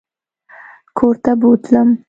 کورته بوتلم.